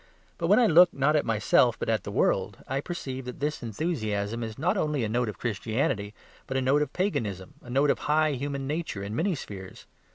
But when I look not at myself but at the world, I perceive that this enthusiasm is not only a note of Christianity, but a note of Paganism, a note of high human nature in many spheres.